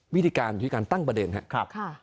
วิธีการอยู่ที่การตั้งประเด็นครับ